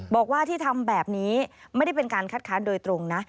บอกว่าที่ทำแบบนี้ไม่ได้เป็นการคัดค้านโดยตรงนะ